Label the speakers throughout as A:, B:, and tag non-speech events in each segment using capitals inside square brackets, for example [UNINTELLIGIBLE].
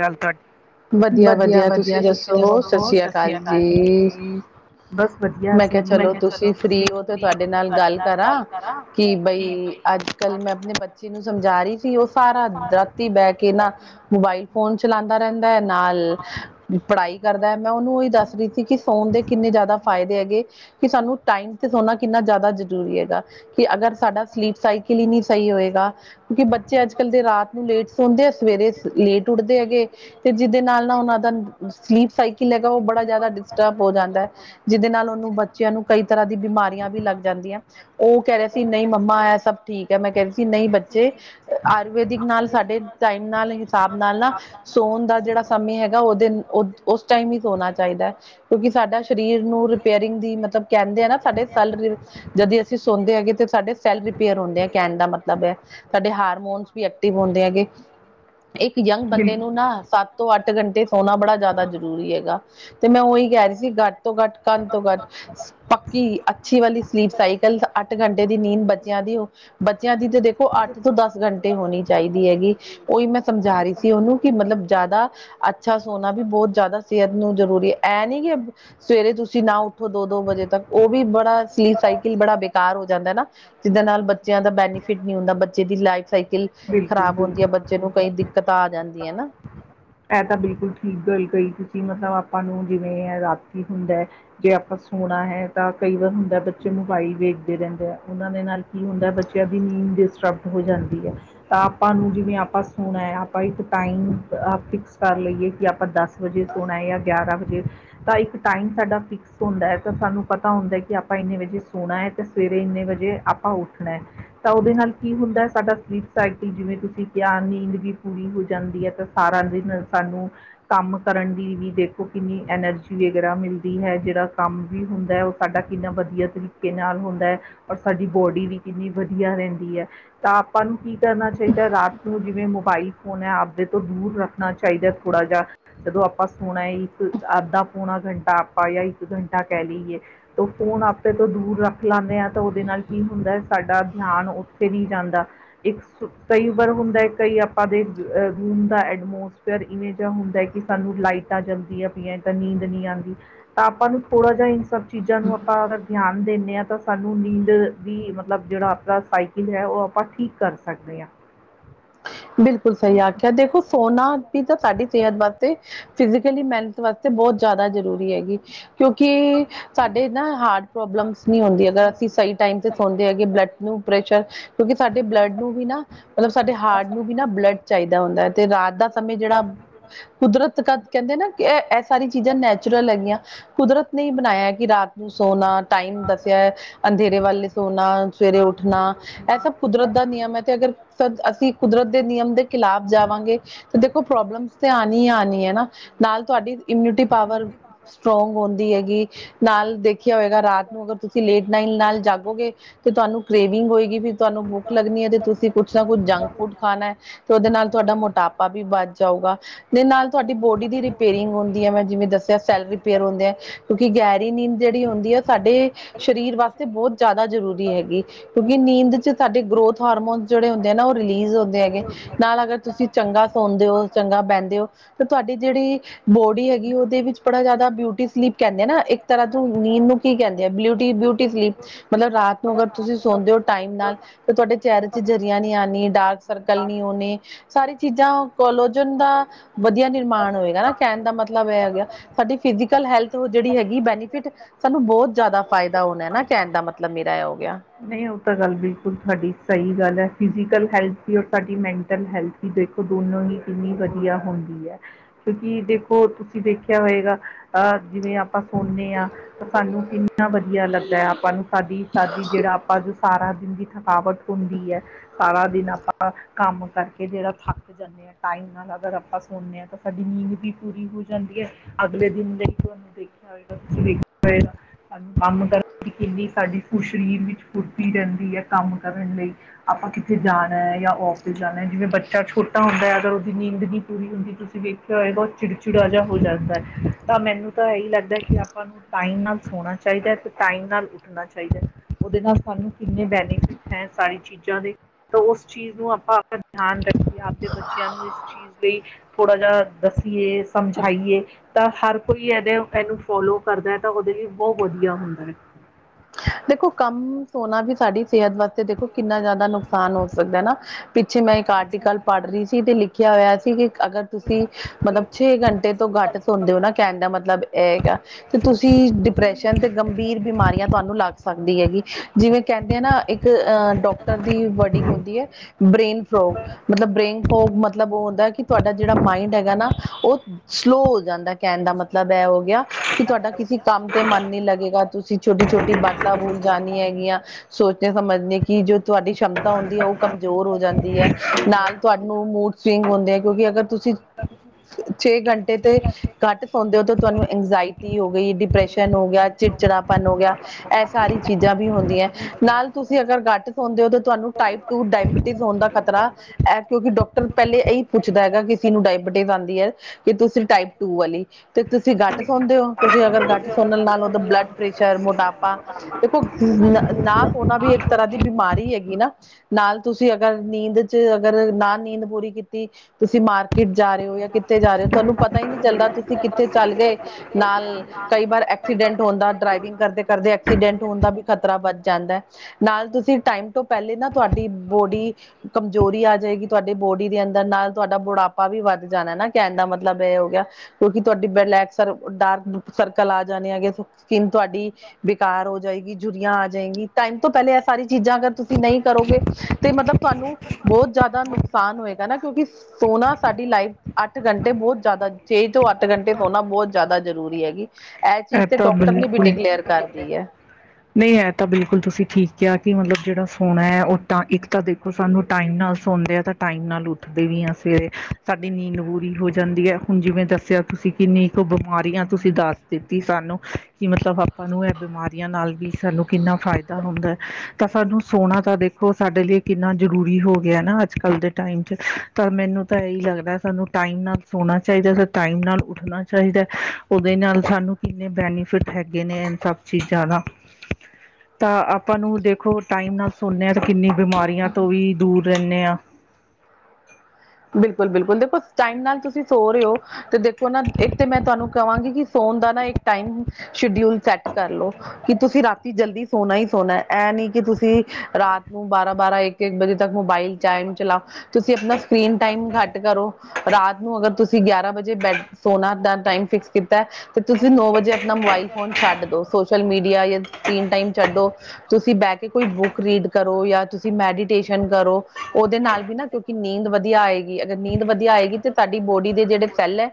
A: ਚੱਲ ਤੱਕ
B: ਵਧੀਆ ਵਧੀਆ ਤੁਸੀਂ ਦੱਸੋ ਸਤਿ ਸ੍ਰੀ ਅਕਾਲ ਜੀ ਮੈਂ ਕਿਹਾ ਚਲੋ ਤੁਸੀਂ ਫਰੀ ਹੋ ਤੇ ਤੁਹਾਡੇ ਨਾਲ ਗੱਲ ਕਰਾਂ ਕਿ ਬਈ ਅੱਜ ਕੱਲ੍ਹ ਮੈਂ ਆਪਣੇ ਬੱਚੇ ਨੂੰ ਸਮਝਾ ਰਹੀ ਸੀ ਉਹ ਸਾਰਾ ਰਾਤੀਂ ਬਹਿ ਕੇ ਨਾ ਮੋਬਾਇਲ ਫੋਨ [UNINTELLIGIBLE] ਨਾਲ ਪੜ੍ਹਾਈ ਕਰਦੈ, ਮੈਂ ਓਨੂੰ ਓਈ ਦੱਸ ਹੀ ਸੀ ਕਿ ਸੌਣ ਦੇ ਕਿੰਨੇ ਜ਼ਿਆਦਾ ਫ਼ਾਇਦੇ ਹੈਗੇ! ਕਿ ਸਾਨੂੰ ਟਾਈਮ ਤੇ ਸੌਣਾ ਕਿੰਨਾ ਜਾਦਾ ਜ਼ਰੂਰੀ ਹੈਗਾ! ਕਿ ਅਗਰ ਸਾਡਾ ਸਲੀਪ ਸਾਈਕਿਲ ਈ ਨੀ ਸਈ ਹੋਏਗਾ ਕਿ ਬੱਚੇ ਅੱਜ-ਕੱਲ੍ਹ ਦੇ ਰਾਤ ਨੂੰ ਲੇਟ ਸੌਂਦੇ ਆ, ਸਵੇਰੇ ਸ ਲੇਟ ਉੱਠਦੇ ਹੈਗੇ! ਤੇ ਜਿਹਦੇ ਨਾਲ ਨਾ ਓਨਾਂ ਦਾ ਸਲੀਪ ਸਾਈਕਲ ਹੈਗਾ, ਓ ਬੜਾ ਜਾਦਾ ਡਿਸ ਟਰਬ ਹੋ ਜਾਂਦਾ ਐ, ਜਿਦੇ ਨਾਲ ਓਨੂੰ ਬੱਚਿਆਂ ਨੂੰ ਕਈ ਤਰ੍ਹਾਂ ਦੀ ਬਿਮਾਰੀਆਂ ਵੀ ਲੱਗ ਜਾਂਦੀਆਂ! ਉਹ ਕੇਹ ਰੇਆ ਸੀ, ਨਈ ਮੰਮਾ, ਏ ਸਭ ਠੀਕ ਏ! ਮੈਂ ਕੇਹ ਰੀ ਸੀ, ਨਈ ਬੱਚੇ ਆਰੁਵੈਦਿਕ ਨਾਲ, ਸਾਡੇ ਟਾਈਮ ਨਾਲ ਹਿਸਾਬ ਨਾਲ ਨਾ ਸੌਣ ਦਾ ਜਿਹੜਾ ਸਮੇਂ ਹੈਗਾ, ਓ ਦਿਨ ਓ ਓਸ ਟਾਈਮ ਈ ਸੌਣਾ ਚਾਹੀਦਾ। ਕਿਉਂਕਿ ਸਾਡਾ ਸ਼ਰੀਰ ਨੂੰ ਰਿਪੇਅਰਿੰਗ ਦੀ ਮਤਲਬ ਕੈਂਦੇ ਆ ਨਾ ਸਾਡੇ ਸਲ ਜਦੇ ਅਸੀਂ ਸੌਂਦੇ ਹੈਗੇ, ਤੇ ਸਾਡੇ ਸੈਲ ਰਿਪੇਅਰ ਹੁੰਦੇ ਆ, ਕਹਿਣ ਦਾ ਮਤਲਬ ਐ। ਸਾਡੇ ਹਾਰਮੋਨਸ ਵੀ ਐਕਟਿਵ ਹੋਂਦੇ ਹੈਗੇ, ਇੱਕ ਯੰਗ ਬੰਦਾ ਨਾ, ਸੱਤ ਤੋਂ ਅੱਠ ਘੰਟੇ ਸੋਣਾ ਬੜਾ ਜਾਦਾ ਜ਼ਰੂਰੀ ਹੈਗਾ! ਤੇ ਮੈਂ ਓਇ ਕੇਹ ਰਈ ਸੀ, ਗਟ ਤੋਂ ਗਟ, ਕਣ ਤੋਂ ਘੱਟ ਪੱਕੀ ਅੱਛੀ ਵਾਲੀ ਸਲੀਪ ਸਾਈਕਲ ਤਾਂ ਅੱਠ ਘੰਟੇ ਦੀ ਨੀਂਦ ਬੱਚਿਆਂ ਦੀ ਹੋ ਬੱਚਿਆਂ ਦੀ ਤੇ ਦੇਖੋ, ਅੱਠ ਤੋਂ ਦਸ ਘੰਟੇ ਹੋਣੀ ਚਾਹੀਦੀ ਹੈਗੀ, ਉਈ ਮੈਂ ਸਮਝਾ ਰਹੀ ਸੀ! ਵੀ ਓ ਨੀ ਕਿ, ਮਤਲਬ ਜਾਦਾ ਅੱਛਾ ਸੋਣਾ ਵੀ ਬਹੁਤ ਜਾਦਾ ਸੇਹਤ ਨੂੰ ਜ਼ਰੂਰੀ ਐ, ਐ ਨੀ ਕਿ ਸਵੇਰੇ ਤੁਸੀਂ ਨਾ ਉੱਠੋ ਦੋ-ਦੋ ਵਜੇ ਤੱਕ, ਓ ਵੀ ਬੜਾ ਸਲੀਪ ਸਾਈਕਿਲ ਬੜਾ ਬੇਕਾਰ ਹੋ ਜਾਂਦਾ ਨਾ! ਜਿੱਦੇ ਨਾਲ ਬੱਚਿਆਂ ਦਾ ਬੈਨੀਫਿਟ ਨੀ ਹੁੰਦਾ, ਬੱਚੇ ਦੀ ਲਾਈਫ ਸਾਈਕਿਲ ਖ਼ਰਾਬ ਹੋਂਦੀ ਆ, ਬੱਚੇ ਨੂੰ ਕਈ ਦਿੱਕਤਾਂ ਆ ਜਾਂਦੀਆਂ ਨਾ।
A: ਐ ਤਾਂ ਬਿਲਕੁਲ ਠੀਕ ਗੱਲ ਕਈ ਤੁਸੀਂ, ਮਤਲਬ ਆਪਾਂ ਨੂੰ ਜਿਵੇਂ ਐ ਰਾਤੀ ਹੁੰਦਾ ਜੇ ਆਪਾਂ ਸੌਣਾ ਹੈ ਤਾਂ ਕਈ ਵਾਰ ਹੁੰਦਾ ਬੱਚੇ ਮੌਬਾਇਲ ਵੇਖਦੇ ਰਹਿੰਦੇ ਆ, ਓਨਾਂ ਦੇ ਨਾਲ ਕੀ ਹੁੰਦਾ ਬੱਚਿਆਂ ਦੀ ਨੀਂਦ ਡਿਸਟਰਬਡ ਹੋ ਜਾਂਦੀ। ਤਾਂ ਆਪਾਂ ਨੂੰ ਜਿਵੇਂ ਸੌਣੈ, ਆਪਾਂ ਇੱਕ ਟਾਈਮ ਆ ਫਿਕਸ ਕਰ ਲਈਏ ਕਿ ਆਪਾਂ ਦਸ ਵਜੇ ਸੌਣਾ ਜਾਂ ਗਿਆਰਾਂ ਵਜੇ! ਤਾਂ ਇੱਕ ਟਾਈਮ ਸਾਡਾ ਫਿਕਸ ਹੁੰਦਾ ਐ, ਤਾਂ ਸਾਨੂੰ ਪਤਾ ਹੁੰਦਾ ਕਿ ਆਪਾਂ ਇੰਨੇ ਵਜੇ ਸੋਣਾ ਐ! ਤੇ ਸਵੇਰੇ ਇੰਨੇ ਵਜੇ ਆਪਾਂ ਉੱਠਨੈ! ਤਾਂ ਉਹਦੇ ਨਾਲ ਕੀ ਹੁੰਦਾ, ਸਾਡਾ ਸਲੀਪ ਸਾਈਕਿਲ ਜਿਵੇਂ ਤੁਸੀਂ ਕਿਆ, ਨੀਂਦ ਵੀ ਪੂਰੀ ਹੋ ਜਾਂਦੀ ਐ, ਤਾਂ ਸਾਰਾ ਦਿ ਮਿਲ ਸਾਨੂੰ ਕੰਮ ਕਰਨ ਦੀ ਵੀ ਦੇਖੋ ਕਿੰਨੀ ਐਨਰਜੀ ਵੈਗਰਾ ਮਿਲਦੀ ਹੈ, ਜਿਹੜਾ ਕੰਮ ਵੀ ਹੁੰਦਾ ਆ ਸਾਡਾ ਕਿੰਨਾ ਵਧੀਆ ਤਰੀਕੇ ਨਾਲ ਹੋਂਦਾ, ਔਰ ਸਾਡੀ ਬੋਡੀ ਵੀ ਕਿੰਨੀ ਵਧੀਆ ਰੈਂਦੀ ਆ ਤਾਂ ਆਪਾਂ ਨੂੰ ਕੀ ਕਰਨਾ ਚਾਹੀਦਾ, ਰਾਤ ਨੂੰ ਜਿਵੇਂ ਮੋਬਾਈਲ ਫੋਨ ਆ, ਆਪਦੇ ਤੋਂ ਦੂਰ ਰੱਖ ਰੱਖਣਾ ਚਾਈਦਾ ਥੋੜਾ ਜਾ ਜਦੋਂ ਆਪਾਂ ਸੋਣਾ ਇੱਕ ਅੱਧਾ-ਪੌਣਾ ਘੰਟਾ ਆਪਾਂ ਜਾਂ ਇੱਕ ਘੰਟਾ ਕਹਿ ਲਈਏ- ਓ ਫੋਨ ਆਪੇ ਤੋਂ ਦੂਰ ਰੱਖ ਲੈਂਦੇ ਆ, ਤਾਂ ਉਹਦੇ ਨਾਲ ਕੀ ਹੁੰਦਾ, ਸਾਡਾ ਧਿਆਨ ਉਥੇ ਨਈ ਜਾਂਦਾ। ਇੱਕ ਸੁ, ਕਈ ਵਾਰ ਹੁੰਦਾ, ਕਈ ਆਪਾਂ ਦੇ ਰੂਮ ਦਾ ਐਡਮੋਸ ਫਿਆਰ ਇਵੇਂ ਜਿਆ ਹੁੰਦਾ ਐ ਕਿ ਸਾਨੂੰ ਲਾਈਟਾਂ ਜਗਦੀਆਂ ਪਈਆਂ ਤਾਂ ਨੀਂਦ ਨਈ ਆਂਦੀ! ਤਾਂ ਆਪਾਂ ਨੂੰ ਥੋੜਾ ਜਾ ਇਨ ਸਭ ਚੀਜ਼ਾਂ ਨੂੰ, ਆਪਾਂ ਅਗਰ ਧਿਆਨ ਦੇਣੇ ਆਂ ਤਾਂ ਸਾਨੂੰ ਨੀਂਦ ਵੀ ਮਤਲਬ ਜੇੜਾ ਆਪਣਾ ਸਾਈਕਿਲ ਐ, ਓ ਆਪਾਂ ਠੀਕ ਕਰ ਸਕਦੇ ਆਂ।
B: ਬਿਲਕੁਲ ਸਈ ਆਖਿਆ, ਦੇਖੋ, ਸੋਨਾ ਵੀ ਤਾਂ ਸਾਡੀ ਸੇਹਤ ਵਾਸਤੇ ਫਿਜ਼ਕਲੀ ਮਿਹਨਤ ਵਾਸਤੇ ਬੌਤ ਜਾਦਾ ਜ਼ਰੂਰੀ ਹੈਗੀ, ਕਿਉਂਕਿ ਸਾਡੇ ਨਾ ਹਾਰਟ ਪ੍ਰੋਬਲਮਸ ਨਈ ਹੋਂਦੀ, ਅਗਰ ਅਸੀਂ ਸਈ ਟਾਈਮ ਤੇ ਸੋਂਂਦੇ ਹੈਗੇ, ਬਲੱਡ ਨੂੰ ਪ੍ਰੈਸ਼ਰ ਕਿਉਂਕਿ ਸਾਡੇ ਬਲੱਡ ਨੂੰ ਵੀ ਨਾ, ਮਤਲਬ ਸਾਡੇ ਹਾਰਟ ਉਹ ਨੂੰ ਵੀ ਨਾ ਬਲੱਡ ਚਾਹੀਦਾ ਹੋਂਦਾ ਐ ਤੇ ਰਾਤ ਦਾ ਸਮੇਂ ਜੇੜਾ ਕੁਦਰਤ ਕਾ ਕਹਿੰਦੇ ਨਾ ਕਿ ਸਾਰੀ ਚੀਜ਼ਾਂ ਨੈਚੁਰਲ ਹੈਗੀਆਂ ਕੁਦਰਤ ਨੇ ਬਣਾਇਆ ਕਿ ਰਾਤ ਨੂੰ ਸੋਣਾ ਟਾਇਮ ਦੱਸਿਆ ਹੋਐ ਅੰਧੇਰੇ ਵੇਲੇ ਸੋਣਾ, ਸਵੇਰੇ ਉੱਠਣਾ ਇਹ ਸਭ ਕੁਦਰਤ ਦਾ ਨਿਯਮ ਏ ਤੇ ਅਗਰ ਅਸੀਂ ਕੁਦਰਤ ਦੇ ਨਿਯਮ ਦੇ ਖਿਲਾਫ਼ ਜਾਵਾਂਗੇ ਤੇ ਦੇਖੋ ਪ੍ਰੋਬਲਮਸ ਤੇ ਆਣ ਆਣੀ ਹੀ ਆਣੀ ਹੈ ਨਾ ਨਾਲ ਤੁਹਾਡੀ ਇਮਿਊਨਿਟੀ ਪਾਵਰ ਸਟਰੋਂਗ ਹੁੰਦੀ ਹੈਗੀ। ਨਾਲ ਦੇਖਿਆ ਹੋਏਗਾ ਰਾਤ ਨੂੰ ਅਗਰ ਤੁਸੀਂ ਲੇਟ ਨਾਈਟ ਨਾਲ ਜਾਗੋਗੇ ਤੇ ਤੁਹਾਨੂੰ ਕੇਵਿੰਗ ਹੋਏਗੀ ਫ ਤੁਹਾਨੂੰ ਬੁੱਖ ਲੱਗਣੀ ਏ ਤੇ ਤੁਸੀਂ ਕੁੱਛ ਨਾ ਕੁੱਝ ਜੰਕ ਫੂਡ ਖਾਣਾ ਏ ਤੇ ਉਹਦੇ ਨਾਲ ਤੁਹਾਡਾ ਮੋਟਾਪਾ ਵੀ ਵੱਧ ਜਾਊਗਾ। ਦੇ ਨਾਲ ਤੁਹਾਡੀ ਬੋਡੀ ਦੀ ਰਿਪੇਅਰਿੰਗ ਹੁੰਦੀ ਹੈ ਮੈਂ ਜਿਵੇਂ ਦੱਸਿਆ ਸੈੱਲ ਰਿਪੇਅਰ ਹੁੰਦੇ ਐ ਕਿਉਂਕਿ ਗਹਿਰੀ ਨੀਂਦ ਜਿਹੜੀ ਹੁੰਦੀ ਆ ਉਹ ਸਾਡੇ ਸਰੀਰ ਵਾਸਤੇ ਬਹੁਤ ਜ਼ਿਆਦਾ ਜ਼ਰੂਰੀ ਹੈਗੀ। ਕਿਉਂਕਿ ਨੀਂਦ ਚ ਸਾਡੇ ਗਰੋਥ ਹਾਰਮੋਨ ਜਿਹੜੇ ਹੁੰਦੇ ਆ ਨਾ ਉਹ ਰਿਲੀਜ਼ ਹੁੰਦੇ ਹੈਗੇ। ਨਾਲ ਅਗਰ ਤੁਸੀਂ ਚੰਗਾ ਸੌਦੇ ਹੋ ਚੰਗਾ ਬਹਿੰਦੇ ਹੋ ਤਾਂ ਤੁਹਾਡੀ ਜਿਹੜੀ ਬੋਡੀ ਹੈਗੀ ਉਹਦੇ ਬੜਾ ਜ਼ਿਆਦਾ ਬਿਊਟੀ ਸਲੀਪ ਕਹਿੰਦੇ ਨਾ ਇੱਕ ਤਰ੍ਹਾਂ ਤ ਨੀਂਦ ਨੂੰ ਕੀ ਕਹਿੰਦੇ ਆ ਬਿਊਟੀ- ਬਿਊਟੀ ਸਲੀਪ ਮਤਲਬ ਰਾਤ ਨੂੰ ਅਗਰ ਤੁਸੀਂ ਸੌਦੇ ਹੋ ਟਾਈਮ ਨਾਲ ਤੇ ਤੁਹਾਡੇ ਚਿਹਰੇ ਚ ਜਰੀਆਂ ਨੀ ਆਣੀ ਡਾਰਕ ਸਰਕਲ ਨਹੀਂ ਹੋਣੇ। ਸਾਰੀ ਚੀਜ਼ਾਂ ਕੋਲੋਜਨ ਦਾ ਵਧੀਆ ਨਿਰਮਾਣ ਹੋਵੇਗਾ ਨਾ ਕਹਿਣ ਦਾ ਮਤਲਬ ਸਾਡੀ ਫਿਜ਼ਕਲ ਹੈਲਥ ਜਿਹੜੀ ਹੈਗੀ ਬੈਨੀਫਿਟ ਸਾਨੂੰ ਬਹੁਤ ਜ਼ਿਆਦਾ ਫਾਇਦਾ ਹੋਣਾ ਨਾ ਕਹਿਣ ਦਾ ਮਤਲਬ ਮੇਰਾ ਐ ਹੋ ਗਿਆ।
A: ਨਹੀਂ ਉਹ ਤਾਂ ਗੱਲ ਬਿਲਕੁਲ ਤੁਹਾਡੀ ਸਹੀ ਗੱਲ ਹੈ ਫਿਜੀਕਲ ਹੈਲਥ ਵੀ ਔਰ ਤੁਹਾਡੀ ਮੈਂਟਲ ਹੈਲਥ ਕਿ ਦੇਖੋ ਦੋਨੋਂ ਹੀ ਕਿੰਨੀ ਵਧੀਆ ਹੁੰਦੀ ਏ। ਕਿਉਂਕਿ ਦੇਖੋ ਤੁਸੀਂ ਦੇਖਿਆ ਹੋਏਗਾ। ਅ ਜਿਵੇਂ ਆਪਾਂ ਸੁਣੇ ਆ ਤਾ ਸਾਨੂੰ ਕਿੰਨਾ ਵਧੀਆ ਲੱਗਦਾ ਏ ਆਪਾਂ ਨੂੰ ਸਾਡੀ ਸਾਡੀ ਜਿਹੜਾ ਆਪਾਂ ਜੋ ਸਾਰਾ ਦਿਨ ਦੀ ਥਕਾਵਟ ਹੁੰਦੀ ਹੈ ਸਾਰਾ ਦਿਨ ਆਪਾਂ ਕੰਮ ਕਰਕੇ ਜਿਹੜਾ ਥੱਕ ਜਾਨੇ ਆ। ਟਾਈਮ ਨਾਲ ਅਗਰ ਆਪਾਂ ਸੌਣੇ ਆ ਤਾਂ ਸਾਡੀ ਨੀਂਦ ਵੀ ਪੂਰੀ ਹੋ ਜਾਂਦੀ ਏ। ਅਗਲੇ ਦਿਨ ਦੇ ਤੁਹਾਨ ਦੇਖਿਆ ਹੋਵੇਗਾ ਤੁ ਦੇਖਿਆ ਹੋੲਏਗਾ। ਸਾਨੂੰ ਕੰਮ ਕਰਨ ਦੀ ਕਿੰਨੀ ਸਾਡੀ ਸਰੀਰ ਵਿੱਚ ਫੁਰਤੀ ਰਹਿੰਦੀ ਏ ਕੰਮ ਕਰਨ ਲਈ। ਆਪਾਂ ਕਿੱਥੇ ਜਾਣਾ ਹੈ ਜਾਂ ਔਫਿਸ ਜਾਣਾ ਜਿਵੇਂ ਬੱਚਾ ਛੋਟਾ ਹੁੰਦਾ ਹੈ ਅਗਰ ਉਹਦੀ ਨੀਂਦ ਨਹੀਂ ਪੂਰੀ ਹੁੰਦੀ ਤੁਸੀਂ ਵੇਖ ਖੀਆ ਹੋਏਗਾ ਚਿੜਚਿੜਾ ਜਿਹਾ ਹੋ ਜਾਂਦਾ ਹੈ। ਤਾਂ ਮੈਨੂੰ ਤਾਂ ਇਹੀ ਲੱਗਦਾ ਕਿ ਆਪਾਂ ਨੂੰ ਟਾਈਮ ਨਾਲ ਸੋਣਾ ਚਾਹੀਦਾ ਹੈ ਤੇ ਟਾਈਮ ਨਾਲ ਉੱਠਣਾ ਚਾਹੀ ਚਾਹੀਦੈ। ਉਹਦੇ ਨਾਲ ਸਾਨੂੰ ਕਿੰਨੇ ਬੈਨੀਫਿਟ ਹੈ ਸਾਰੀ ਚੀਜ਼ਾਂ ਦੇ। ਤਾਂ ਉਸ ਚੀਜ਼ ਨੂੰ ਆਪਾਂ ਆਪ ਧਿਆਨ ਰੱਖੀਏ ਆਪਦੇ ਬੱਚਿਆਂ ਨੂੰ ਇਸ ਚੀਜ਼ ਲਈ ਥੋੜ੍ਹਾ ਜਿਹਾ ਦੱਸੀਏ ਸਮਝਾਈਏ ਤਾਂ ਹਰ ਕੋਈ ਇਹਦੇ ਇਹਨੂੰ ਫੋਲੋ ਕਰਦਾ ਹੈ ਉਹਦੇ ਲਈ ਬਹੁਤ ਵਧੀਆ ਹੁੰਦਾ ਹੈ।
B: ਦੇਖੋ ਕੰਮ, ਸੋਨਾ ਵੀ ਸਾਡੀ ਸਿਹਤ ਵਾਸਤੇ ਤੇ ਦੇਖੋ ਕਿੰਨਾ ਜ਼ਿਆਦਾ ਨੁਕਸਾਨ ਹੋ ਸਕਦਾ ਨਾਂ ਪਿੱਛੇ ਮੈਂ ਇੱਕ ਆਰਟੀਕਲ ਪੜ੍ਹ ਰਹੀ ਸੀ, ਤੇ ਲਿਖ ਥੀਆ ਹੋਯਾ ਸੀ ਕਿ ਅਗਰ ਤੁਸੀਂ ਮਤਲਬ ਛੇ ਘੰਟੇ ਤੋਂ ਘੱਟ ਸੋਣਦੇ ਹੋ ਨਾਂ ਕਹਿਣ ਦਾ ਮਤਲਬ ਇਹ ਹੈਗਾ। ਤੇ ਤੁਸੀਂ ਡਿਪਰੈਸ਼ਨ ਤੇ ਗੰਭੀਰ ਬਿਮਾਰੀਆਂ ਤੁਹਾਨੂੰ ਲੱਗ ਸਕਦੀ ਹੈਗੀ। ਜਿਵੇਂ ਕਹਿੰਦੇ ਆ ਨਾਂ ਇੱਕ ਅਹ ਡਾਕਟਰ ਦੀ ਵਰਡਿੰਗ ਹੁੰਦੀ ਹੈ। ਬ੍ਰੇਨ ਫੋਗ ਮਤਲਬ ਬ੍ਰੇਨ ਫੋਗ ਮਤਲਬ ਉਹ ਹੁੰਦਾ ਕਿ ਤੁਹਾਡਾ ਜਿਹੜਾ ਮਾਈੰਡ ਹੈਗਾ ਨਾ ਉਹ ਸਲੋਅ ਹੋ ਜਾਂਦਾ ਕਹਿਣ ਦਾ ਮਤਲਬ ਇਹ ਹੋ ਗਿਆ। ਕਿ ਤੁਹਾਡਾ ਕਿਸੇ ਕੰਮ ਤੇ ਮਨ ਨੀ ਲੱਗੇਗਾ ਤੁਸੀਂ ਛੋਟੀ-ਛੋਟੀ ਬਾਤਾਂ ਬੁਲ ਜਾਣੀ ਹੈਗੀਆਂ। ਸੋਚਣੇ ਸਮਝਣੇ ਕਿ ਜੋ ਤੁਹਾਡੀ ਸ਼ਮਤਾ ਹੁੰਦੀ ਹੈ। ਉਹ ਕਮਜ਼ੋਰ ਹੋ ਜਾਂਦੀ ਹੈ। ਨਾਲ ਤੁਹਾਨੂੰ ਮੂਡ ਸਵਿੰਗ ਹੁੰਦੇ ਹੈ ਕਿਉਂਕਿ ਅਗਰ ਤੁਸੀਂ ਛੇ ਘੰਟੇ ਤੇ ਘੱਟ ਸੌਦੇ ਹੋ ਤਾਂ ਤੁਹਾਨੂੰ ਇੰਗਜਾਇਟੀ ਹੋ ਗਈ, ਡਿਪਰੈਸ਼ਨ ਹੋ ਗਿਆ, ਚਿੜਚਿੜਾਪਨ ਹੋ ਗਿਆ। ਐਸ- ਚੀਜ਼ਾਂ ਵੀ ਹੁੰਦੀਆਂ। ਨਾਲ ਤੁਸੀਂ ਅਗਰ ਘੱਟ ਸੌਦੇ ਹੋ ਤਾਂ ਤੁਹਾਨੂੰ ਟਾਈਪ ਟੂ ਡਾਇਬਟੀਜ਼ ਹੋਣ ਦਾ ਖ਼ਤਰਾ ਏ। ਇਹ ਕਿਉਂਕਿ ਡਾਕਟਰ ਪਹਿਲੇ ਇਹੀ ਪੁੱਛਦਾ ਹੈਗਾ ਕਿਸੇ ਨੂੰ ਡਾਇਬਟੀਜ਼ ਆਉਂਦੀ ਹੈ। ਕਿ ਤੁਸੀਂ ਟਾਈਪ ਟੂ ਵਾਲੀ, ਤੇ ਤੁਸੀਂ ਘੱਟ ਸੋਂਦੇ ਹੋ ਕਿਉਂਕਿ ਅਗਰ ਘੱਟ ਸੁਣਨ ਨਾਲ, ਉਹਦਾ ਬਲੱਡ ਪ੍ਰੈਸ਼ਰ, ਮੋਟਾਪਾ ਦੇਖੋ ਨਾਂ ਸੋਣਾ ਵੀ ਇੱਕ ਤਰਾਂ ਦੀ ਬਿਮਾਰੀ ਹੈਗੀ ਨਾਂ। ਨਾਲ ਤੁਸੀਂ ਅਗਰ ਨੀਂਦ'ਚ ਅਗਰ ਨਾ ਨੀਂਦ ਪੂਰੀ ਕੀਤੀ ਤੁਸੀਂ ਮਾਰਕੀਟ ਜਾ ਰਹੇ ਹੋ ਜਾਂ ਕਿੱਥੇ ਜਾ ਰਹੇ ਹੋ। ਤੁਹਾਨੂੰ ਪਤਾ ਹੀ ਨਹੀਂ ਚੱਲਦਾ, ਤੁਸੀਂ ਕਿੱਥੇ ਚੱਲ ਗਏ। ਨਾਲ ਕਈ ਵਾਰ ਐਕਸੀਡੈਂਟ ਹੁੰਣਦਾ ਡਰਾਈਵਿੰਗ ਕਰਦੇ-ਕਰਦੇ। ਐਕਸੀਡੈਂਟ ਹੋਣ ਦਾ ਵੀ ਖ਼ਤਰਾ ਵੱਧ ਜਾਂਦਾ ਹੈ, ਨਾਲ ਤੁਸੀਂ ਟਾਈਮ ਤੋਂ ਪਹਿਲੇ ਨਾਂ ਤੁਹਾਡੀ ਬੋਡੀ ਕਮਜ਼ੋਰੀ ਆ ਜਾਏਗੀ ਤੁਹਾਡੀ ਬੋਡੀ ਦੇ ਅੰਦਰ ਨਾਲ ਤੁਹਾਡਾ ਬੁਢਾਪਾ ਵੀ ਵੱਧ ਜਾਣਾ ਨਾਂ ਕਹਿਣ ਦਾ ਮਤਲਬ ਇਹ ਹੈਗਾ। ਕਿਉਂਕਿ ਤੁਹਾਡੀੇ ਬਲੈਕ ਸਰ ਡਾਰਕ ਸਰਕਲ ਆ ਜਾਣੇ ਹੈਗੇ, ਸਕਿਨ ਤੁਹਾਡੀ ਬੇਕਾਰ ਹੋ ਜਾਏਗੀ ਝੁਰੀਆਂ ਆ ਜਾਏਗੀ। ਟਾਈਮ ਤੋਂ ਪਹਿਲੇ ਇਹ ਸਾਰੀ ਚੀਜ਼ਾਂ ਅਗਰ ਤੁਸੀਂ ਨਹੀਂ ਕਰੋਗੇ। ਤੇ ਮਤਲਬ ਤੁਹਾਨੂੰ ਬੋਤ ਜ਼ਿਆਦਾ ਨੁਕਸਾਨ ਹੋਏਗਾ ਨਾਂ ਕਿਉਂਕਿ ਸੋਣਾ ਸਾਡੀ ਲਾਈਫ ਅੱਠ ਘੰਟੇ ਬੋਤ ਜ਼ਿਆਦਾ ਛੇ ਤੋਂ ਅੱਠ ਘੰਟੇ ਸੋਣਾ ਬੋਤ ਜ਼ਿਆਦਾ ਜ਼ਰੂਰੀ ਹੈਗੀ। ਇਹ ਚੀਜ਼ ਤੇ
A: ਤਾਂ
B: ਡਾਕਟਰ ਨੇਂ ਵੀ
A: ਬਿਲਕੁਲ
B: ਡਿਕਲੇਅਰ ਕਰਦੀ ਹੈ।
A: ਨਹੀਂ ਇਹ ਤਾਂ ਬਿਲਕੁਲ ਤੁਸੀਂ ਠੀਕ ਕਿਹਾ ਕਿ ਮਤਲਬ ਜਿਹੜਾ ਸੋਣਾ ਹੈ ਉਹ ਤਾਂ ਇੱਕ ਤਾਂ ਦੇਖੋ ਸਾਨੂੰ ਟਾਈਮ ਨਾਲ ਸੋਣਦੇ ਹੋ ਤਾਂ ਟਾਈਮ ਨਾਲ ਉੱਠਦੇ ਵੀ ਹਾਂ ਸਵੇਰੇ ਸਾਡੀ ਨੀਂਦ ਪੂਰੀ ਹੋ ਜਾਂਦੀ ਹੈ, ਹੁਣ ਜਿਵੇਂ ਦੱਸਿਆ ਤੁਸੀਂ ਕਿੰਨੀ ਕੁ ਬਿਮਾਰੀਆਂ ਤੁਸੀਂ ਦੱਸ ਦਿੱਤੀ ਸਾਨੂੰ, ਕਿ ਮਤਲਬ ਆਪਾਂ ਨੂੰ ਇਹ ਬਿਮਾਰੀਆਂ ਨਾਲ ਵੀ ਸਾਨੂੰ ਕਿੰਨਾ ਫਾਇਦਾ ਹੁੰਦਾ ਹੈ। ਤਾਂ ਸਾਨੂੰ ਸੋਣਾ ਤਾਂ ਦੇਖੋ ਸਾਡੇ ਲਈ ਕਿੰਨਾ ਜ਼ਰੂਰੀ ਹੋ ਗਿਆ ਨਾਂ ਅੱਜ-ਕੱਲ ਦੇ ਟਾਈਮ'ਚ। ਤਾਂ ਮੈਨੂੰ ਤਾਂ ਇਹੀ ਲੱਗਦਾ ਸਾਨੂੰ ਟਾਈਮ ਨਾਲ ਸੋਣਾ ਚਾਹੀਦਾ ਸਾਨੂੰ ਟਾਈਮ ਨਾਲ ਉੱਠਣਾ ਚਾਹੀਦਾ ਉਹਦੇ ਨਾਲ ਸਾਨੂੰ ਕਿੰਨੇ ਬੈਨੀਫਿਟ ਹੈਗੇ ਨੇਂ ਇਹਨਾਂ ਸਭ ਚੀਜ਼ਾਂ ਦਾ। ਤਾਂ ਆਪਾਂ ਨੂੰ ਦੇਖੋ ਟਾਈਮ ਨਾਲ ਸੋਣੇ ਹਾਂ ਤਾਂ ਕਿੰਨੀ ਬਿਮਾਰੀਆਂ ਤੋਂ ਵੀ ਦੂਰ ਰਹਿੰਦੇ ਹਾਂ।
B: ਬਿਲਕੁਲ-ਬਿਲਕੁਲ ਦੇਖੋ ਟਾਈਮ ਨਾਲ ਤੁਸੀਂ ਸੋ ਰਹੇ ਹੋ ਤੇ ਦੇਖੋ ਨਾ ਇੱਕ ਤੇ ਮੈਂ ਤੁਹਾਨੂੰ ਕਹਾਂਗੀ ਕਿ ਸੋਣ ਦਾ ਨਾਂ ਇੱਕ ਟਾਈਮ ਸ਼ਡਿਊਲ ਸੈੱਟ ਕਰ ਲੋ ਕਿ ਤੁਸੀਂ ਰਾਤੀ ਜਲਦੀ ਸੋਣਾ ਹੀ ਸੋਣਾ। ਇਹ ਨੀ ਕਿ ਤੁਸੀਂ ਰਾਤ ਨੂੰ ਬਾਰਾਂ-ਬਾਰਾਂ ਇੱਕ-ਇੱਕ ਵਜੇ ਤੱਕ ਮੋਬਾਈਲ ਚਾਈਮ ਚਲਾਓ ਤੁਸੀਂ ਆਪਣਾ ਸਕਰੀਨ ਟਾਈਮ ਘੱਟ ਕਰੋ ਰਾਤ ਨੂੰ ਅਗਰ ਤੁਸੀਂ ਗਿਆਰਾਂ ਵਜੇ ਬੈ ਸੋਣਾ ਤਾਂ ਟਾਈਮ ਫਿਕਸ ਕੀਤਾ ਤੇ ਤੁਸੀਂ ਨੋ ਵਜੇ ਆਪਣਾ ਮੋਬਾਇਲ ਫੋਨ ਛੱਡ ਦੋ ਸੋਸ਼ਲ ਮੀਡੀਆ ਜਾਂ। ਸਕਰੀਨ ਟਾਈਮ ਛੱਡੋ ਤੁਸੀਂ ਬੈਕ ਤਸੀਂ ਕੋਈ ਬੁੱਕ ਰੀਡ ਕਰੋ ਜਾਂ ਤੁਸੀਂ ਮੈਡੀਟੇਸ਼ਨ ਕਰੋ ਉਹਦੇ ਨਾਲ ਵੀ ਕਿਉਂਕਿ ਨੀਂਦ ਵਧੀ ਆ ਆਏਗੀ ਅਗਰ ਨੀਂਦ ਵਧੀਆ ਆਏਗੀ 'ਤੇ ਤੁਹਾਡੀ ਬੋਡੀ ਦੇ ਜਿਹੜੇ ਫੈਲ ਐ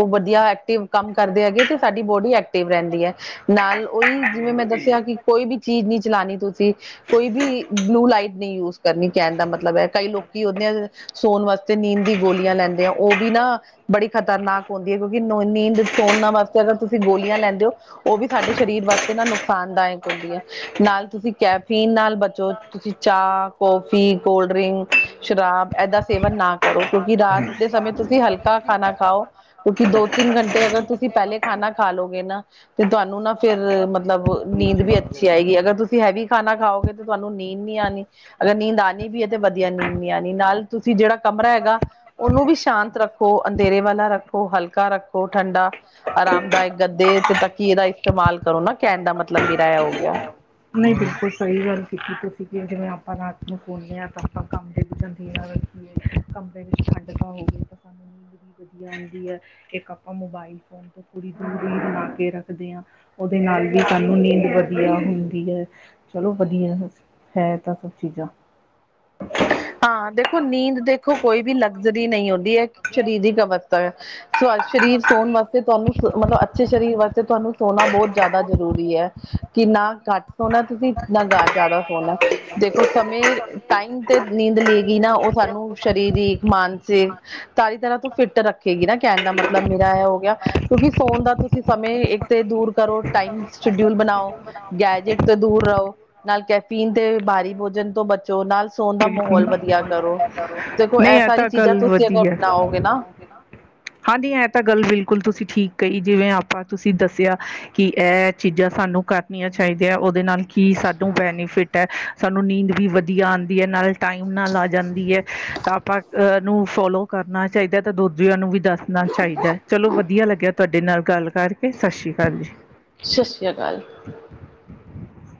B: ਉਹ ਵਧੀਆ ਐਕਟਿਵ ਕੰਮ ਕਰਦੇ ਹੈਗੇ ਤੇ ਸਾਡੀ ਬੋਡੀ ਐਕਟਿਵ ਰਹਿੰਦੀ ਹੈ। ਨਾਲ ਉਹੀ ਜਿਵੇਂ ਮੈਂ ਦੱਸਿਆ ਕਿ ਕੋਈ ਵੀ ਚੀਜ਼ ਨਹੀਂ ਚਲਣੀ ਤੁਸੀਂ ਕੋਈ ਵੀ ਬਲੂ ਲਾਈਟ ਨਹੀਂ ਯੂ ਕਰਨੀ ਕਹਿਣ ਦਾ ਮਤਲਬ ਹੈ, ਕਈ ਲੋਕੀ ਉਹਦੇ ਸੋਣ ਵਾਸਤੇ ਨੀਂਦ ਦੀ ਗੋਲੀਆਂ ਲੈਂਦੇ ਆ ਉਹ ਵੀ ਨਾ ਬੜੀ ਖ਼ਤਰਨਾਕ ਹੁੰਦੀ ਹੈ, ਕਿਉਂਕਿ ਨੀਂਦ ਸੋਣਨਾ ਵਾਸਤੇ ਅਗਰ ਤੁਸੀਂ ਗੋਲੀਆਂ ਲੈਂਦੇ ਹੋ। ਉਹ ਵੀ ਸਾਡੇ ਸਰੀਰ ਵਾਸ ਤੇ ਨਾ ਨੁਕਸਾਨ ਦਾਇਕ ਹੁੰਦੀ ਹੈ, ਨਾਲ ਤੁਸੀਂ ਕੈਫੀਨ ਨਾਲ ਬਚੋ ਤੁਸੀਂ ਚਾਹ ਕੌਫੀ, ਕੋਲਡ ਡਰਿੰਕ, ਸ਼ਰਾਬ ਏਦਾਂ ਸੇਵਨ ਨਾ ਕਰੋ ਕਿਉਂਕਿ ਰਾਤ ਦੇ ਸਮੇਂ ਤੁਸੀਂ ਹਲਕਾ ਖਾਣਾ ਖਾਓ। ਕਿਉਂਕਿ ਦੋ- ਤਿੰਨ ਘੰਟੇ ਅਗਰ ਤੁਸੀਂ ਪਹਿਲੇ ਖਾਣਾ ਖਾ ਲੋਗੇ ਨਾ 'ਤੇ ਤੁਹਾਨੂੰ ਨਾ ਫੇਰ ਮਤਲਬ ਨੀਂਦ ਵੀ ਅੱਛੀ ਆਏਗੀ ਅਗਰ ਤੁਸੀਂ ਹੈਵੀ ਖਾਣਾ ਖਾਓਗੇ ਤੇ ਤੁਆਨੂੰ ਨੀਂਦ ਨੀ ਆਣੀ, ਅਗਰ ਨੀਂਦ ਆਣੀ ਵੀ ਐ ਤੇ ਵਧੀਆ ਨੀਂਦ ਨੀਂ ਆਣੀ। ਨਾਲ ਤੁਸੀਂ ਜੇੜਾ ਕਮਰਾ ਹੈਗਾ ਉਨੂੰ ਵੀ ਸ਼ਾਂਤ ਰੱਖੋ, ਅੰਧੇਰੇ ਵਾਲਾ ਰੱਖੋ। ਹਲਕਾ ਰੱਖੋ ਠੰਡਾ ਆਰਾਮ ਦਾਇਕ ਗੱਦੇ ਤੇ ਤੱਕੀਏ ਦਾ ਇਸਤੇਮਾਲ ਕਰੋ ਨਾਂ ਕੈਣ ਦਾ ਮਤਲਬ ਮੇਰਾ ਐ ਹੋ ਗਿਆ।
A: ਨਈਂ, ਬਿਲਕੁਲ ਸਈ ਗੱਲ ਕੀਤੀ ਤੁਸੀਂ ਕਿ ਜਿਵੇਂ ਆਪਾਂ ਰਾਤ ਨੂੰ ਸੋਂਣੇ ਆਂ ਤਾਂ ਆਪਾਂ ਕੰਮ ਦੇ ਵਿੱਚ ਅੰਧੇਰਾ ਰੱਖੀਏ ਕਮਰੇ ਵਿੱਚ ਠੰਡ ਤਾਂ ਹੋਵੇ ਤਾਂ ਸਾਨੂੰ ਨੀਂਦ ਵੀ ਵਧੀਆ ਆਂਦੀ ਐ, ਇੱਕ ਆਪਾਂ ਮੋਬਾਈਲ ਫੋਨ ਤੋਂ ਥੋੜੀ ਦੂਰੀ ਬਣਾ ਕੇ ਰੱਖਦੇ ਆਂ, ਓਦੇ ਨਾਲ ਵੀ ਸਾਨੂੰ ਨੀਂਦ ਵਧੀਆ ਹੁੰ ਦੀ ਹੈ, ਚਲੋ ਵਧੀਆ ਹੈ, [UNINTELLIGIBLE] ਤਾਂ ਸਭ ਚੀਜ਼ਾਂ।
B: ਹਾਂ, ਦੇਖੋ, ਦੇਖੋ ਕੋਈ ਲਗਜ਼ਰੀ ਨਈਂ ਹੁੰਦੀ ਐ, ਸਰੀਰਕ ਅਵਸਥਾ ਸ਼ ਸਰੀਰ ਸੌਣ ਵਾਸਤੇ ਤੁਆਨੂੰ ਸ ਮਤਲਬ ਅੱਛੇ ਸਰੀਰ ਵਾਸਤੇ ਤੁਆਨੂੰ ਸੋਣਾ ਬੋਤ ਜ਼ਿਆਦਾ ਜ਼ਰੂਰੀ ਐ। ਕਿ ਨਾਂ ਘੱਟ ਸੋਣਾ ਤੁਸੀਂ, ਨਾ ਜ਼ਿਆਦਾ ਸੋਣਾ। ਦੇਖੋ ਸਮੇਂ, ਟਾਈਮ ਤੇ ਨੀਂਦ ਲੇਗੀ ਨਾਂ ਓ ਸਾਨੂੰ ਸਰੀਰਕ, ਮਾਨਸਿਕ ਤਾਰੀ ਤਰ੍ਹਾਂ ਤੋਂ ਫਿੱਟ ਰੱਖੇਗੀ ਨਾਂ ਕੈਣ ਦਾ ਮਤਲਬ ਮੇਰਾ ਐ ਹੋ ਗਿਆ ਕਿਉਂਕਿ ਫੋਨ ਦਾ ਤੁਸੀਂ ਸਮੇਂ ਇੱਕ ਤੇ ਦੂਰ ਕਰੋ ਟਾਈਮ ਸ਼ਡਿਊਲ ਬਣਾਓ ਗੈਜਟ ਤੋਂ ਦੂਰ ਰਔ, ਨਾਲੇ ਕੈਫੀਨ ਤੇ ਬਾਹਰੀ ਭੋਜਨ ਤੋਂ ਬਚੋ, ਨਾਲ ਸੋਨ
A: ਬਿਲਕੁਲ
B: ਮਾਹੌਲ ਵਧੀਆ ਕਰੋ, ਦੇਖੋ
A: ਨਹੀਂ
B: ਏ
A: ਇਹ
B: ਸਾਰੀ
A: ਤਾਂ
B: ਚੀਜ਼ਾਂ
A: ਗੱਲ
B: ਤੁਸੀਂ ਅਗਰ
A: ਵਧੀਆ
B: ਅਪਣਾਓਗੇ ਨਾ
A: ਹਾਂਜੀ, ਹੈ ਤਾਂ ਗੱਲ ਬਿਲਕੁਲ ਤੁਸੀਂ ਠੀਕ ਕਈ, ਜਿਵੇਂ ਆਪਾਂ ਤੁਸੀਂ ਦੱਸਿਆ ਕਿ ਏ ਚੀਜ਼ਾਂ ਸਾਨੂੰ ਕਰ ਣੀਆਂ ਚਾਈਦੀਆਂ ਓਦੇ ਨਾਲ ਕੀ ਸਾਨੂੰ ਬੈਨੀਫਿਟ ਐ, ਸਾਨੂੰ ਨੀਂਦ ਵੀ ਆਂਦ ਨਾਲੇ ਟਾਈਮ ਨਾਲ ਆ ਜਾਂਦੀ ਐ, ਤਾਂ ਆਪਾਂ ਅ ਨੂੰ ਫੋਲੋ ਕਰਨਾ ਚਾਈਦਾ ਤਾਂ ਦੂਜਿਆਂ ਨੂੰ ਵੀ ਦੱਸ ਚਾਈਦਾ। ਚਲੋ ਵਧੀਆ ਲੱਗਿਆ ਤੁਆਡੇ ਨਾਲ ਗੱਲ ਕਰਕੇ, ਸਸ ਸ਼੍ਰੀ ਕਾਲ ਜੀ।
B: ਸਸ ਸ਼੍ਰੀਆ ਕਾਲ।